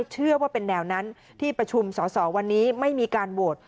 เชื่อว่าเป็นแนวนั้นที่ประชุมสอสอวันนี้ไม่มีการโหวต